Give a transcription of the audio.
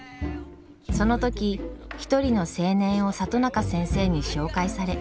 その時一人の青年を里中先生に紹介され。